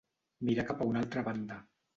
Mirar cap a una altra banda.